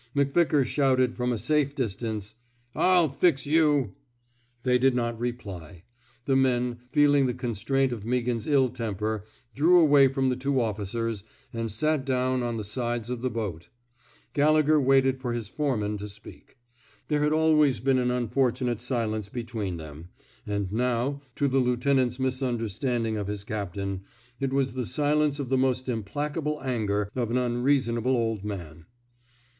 McVickar shouted, from a safe distance: I'll fix you!" They did not reply. The men, feeling the constraint of Meaghan 's ill temper, drew away from the two officers and sat down on 60 A CHARGE OF COWAEDICE the sides of the boat. Gallegher waited for his foreman to speak. There had always been an unfortunate silence be tween them; and now, — to the lieuten ant's misunderstanding of his captain, — it was the silence of the most implacable anger of an unreasonable old man.